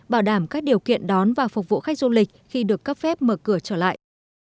bảo đảm các điều kiện đón và phục vụ khách du lịch khi được cấp phép mở cửa trở lại